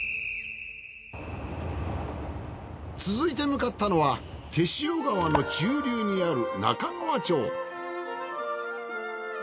続いて向かったのは天塩川の中流にある中川町。